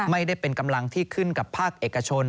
ไม่ได้เป็นกำลังที่ขึ้นกับภาคเอกชน